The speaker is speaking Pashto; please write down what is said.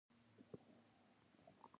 دوی الزاماً د طالبانو غړي نه دي.